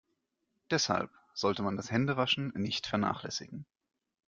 Deshalb sollte man das Händewaschen nicht vernachlässigen.